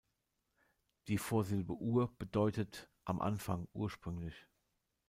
Die Vorsilbe "Ur-" bedeutet „am Anfang, ursprünglich“.